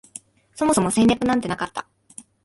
そもそも戦略なんてなかった